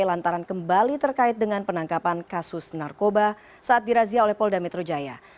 lantaran kembali terkait dengan penangkapan kasus narkoba saat dirazia oleh polda metro jaya